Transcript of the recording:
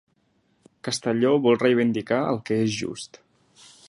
Castelló vol reivindicar el que és just.